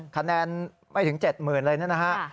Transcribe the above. คะแนนไม่ถึง๗๐๐๐๐เลยนะครับ